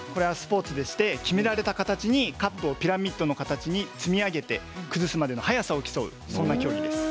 決められた時間にカップのピラミッドの形に積み上げて崩すまでの速さを競う、そんな競技です。